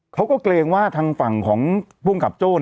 เกรงว่าทางฝั่งของภูมิกับโจ้